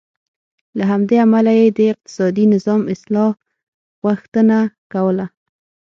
له همدې امله یې د اقتصادي نظام اصلاح غوښتنه کوله.